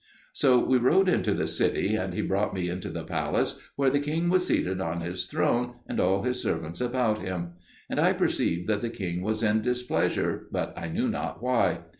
So we rode into the city, and he brought me into the palace, where the king was seated on his throne, and all his servants about him; and I perceived that the king was in displeasure, but I knew not why.